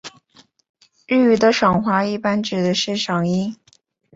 日语的赏花一般指的是赏樱。